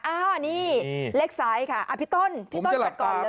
อ้าวนี่เลขซ้ายค่ะพี่ต้นจัดกรเลย